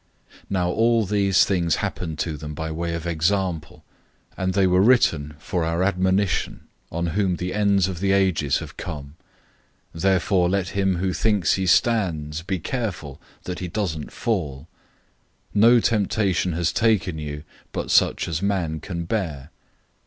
010:011 Now all these things happened to them by way of example, and they were written for our admonition, on whom the ends of the ages have come. 010:012 Therefore let him who thinks he stands be careful that he doesn't fall. 010:013 No temptation has taken you except what is common to man.